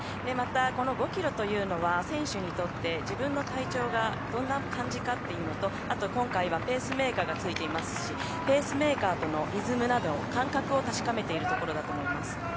また、この５キロというのは選手にとって自分の体調がどんな感じかっていうのとあと、今回はペースメーカーがついていますしペースメーカーとのリズムなど、感覚を確かめているところだと思います。